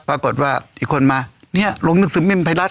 พาก็ออกว่าอีกคนมาเนี่ยลงนังสือพิมพ์ไทยลัทย์